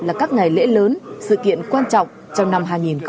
là các ngày lễ lớn sự kiện quan trọng trong năm hai nghìn hai mươi